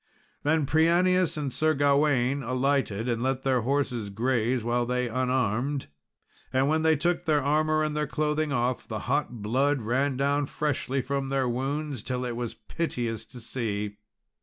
Then Prianius and Sir Gawain alighted and let their horses graze while they unarmed, and when they took their armour and their clothing off, the hot blood ran down freshly from their wounds till it was piteous to see.